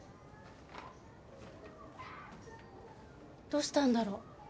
どうしたんだろう？